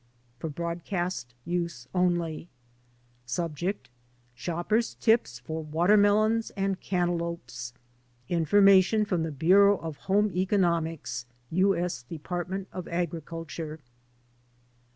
(FOR BROADCAST USE ONLY) | eC f "SHOPPER'S TIPS FOR TZATERMELONS AND CANTALOUPES." Information from the^Bureeu. of Home Economics, U. S. Department of Agriculture.